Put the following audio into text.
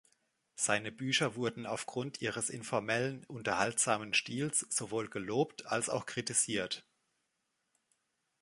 Seine Bücher wurden aufgrund ihres informellen, unterhaltsamen Stils sowohl gelobt als auch kritisiert.